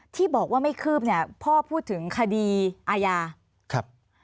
ที่บอกว่าไม่คืบพ่อพูดถึงคดีอาญา